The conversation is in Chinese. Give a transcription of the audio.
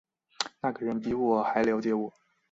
那个人比我还瞭解我